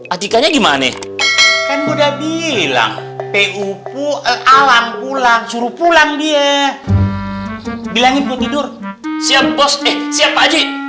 adikannya gimana kan udah bilang alang pulang suruh pulang dia bilangin tidur siap bos siapa